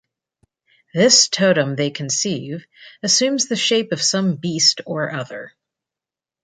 This totem they conceive assumes the shape of some beast or other.